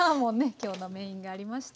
今日のメインがありました。